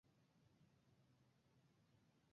রন Dawson হল Swinstead রোডের ক্রীড়া কমপ্লেক্সের অংশ।